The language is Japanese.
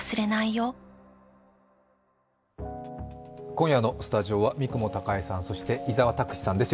今夜のスタジオは三雲孝江さん、そして伊沢拓司さんです。